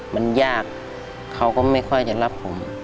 มันยากเขาก็ไม่ค่อยจะรับผม